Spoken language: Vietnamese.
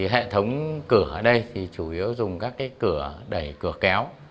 hệ thống cửa ở đây thì chủ yếu dùng các cửa đẩy cửa kéo